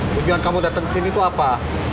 tujuan kamu datang kesini tuh apa